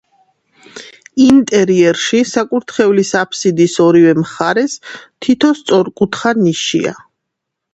ინტერიერში, საკურთხევლის აფსიდის ორივე მხარეს, თითო სწორკუთხა ნიშია.